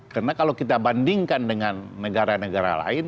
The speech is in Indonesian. karena kalau kita bandingkan dengan negara negara lain